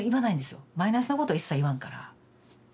マイナスなことは一切言わんから。